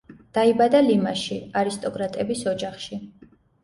დაიბადა ლიმაში, არისტოკრატების ოჯახში.